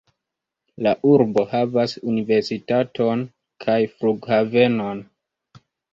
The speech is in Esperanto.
La urbo havas universitaton kaj flughavenon.